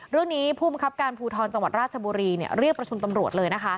เรื่องนี้ผู้บังคับการภูทรจังหวัดราชบุรีเรียกประชุมตำรวจเลยนะคะ